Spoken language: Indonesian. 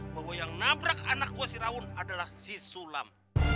bahwa yang nabrak anak gue si rawun adalah si sulam